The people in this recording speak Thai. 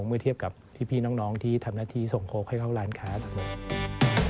เมื่อเทียบกับพี่น้องที่ทำหน้าที่ส่งโค้กให้เข้าร้านค้าจากเดิม